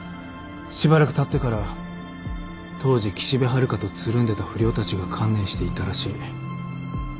しばらくたってから当時岸辺春香とつるんでた不良たちが観念して言ったらしい。